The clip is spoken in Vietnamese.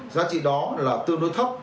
giá trị đó là tương đối thấp